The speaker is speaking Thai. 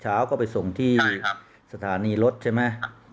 เช้าก็ไปส่งที่ใช่ครับสถานีรถใช่ไหมครับ